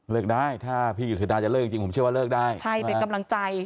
ได้ถ้าพี่กิจสดาจะเลิกจริงผมเชื่อว่าเลิกได้ใช่เป็นกำลังใจ